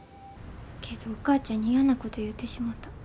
けどお母ちゃんに嫌なこと言うてしもた。